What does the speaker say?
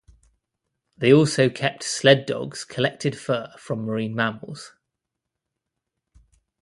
They also kept sled dogs collected fur from marine mammals.